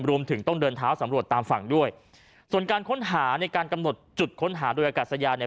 รวมถึงต้องเดินเท้าสำรวจตามฝั่งด้วยส่วนการค้นหาในการกำหนดจุดค้นหาโดยอากาศยานเนี่ย